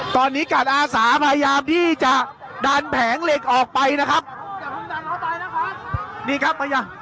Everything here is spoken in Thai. ตอนนี้กาดอาสาพยายามที่จะดันแผงเหล็กออกไปนะครับนี่ครับพยายาม